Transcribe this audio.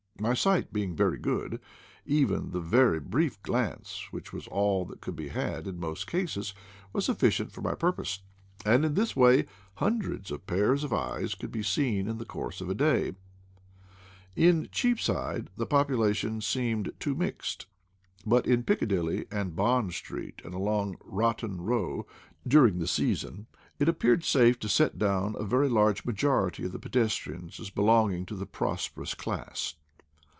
My sight being good, even the very brief glance, which was all that could be had in most cases, was sufficient for my purpose; and in this CONCERNING EYES 199 way hundreds of pairs of eyes could be seen in the course of a day. In Cheapside the population seemed too mixed; but in Piccadilly, and Bond Street, and along Rotten Row, during the season, it appeared safe to set down a very large majority of the pedestrians as belonging to the prosperous class.